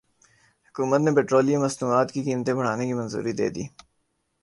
حکومت نے پیٹرولیم مصنوعات کی قیمتیں بڑھانے کی منظوری دے دی